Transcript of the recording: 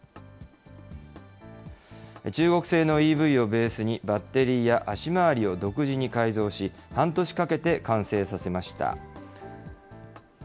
中国製のＥＶをベースに、バッテリーや足回りを独自に改造し、半年かけて完成させました。